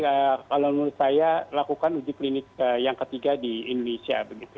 jadi kalau menurut saya lakukan uji klinik yang ketiga di indonesia begitu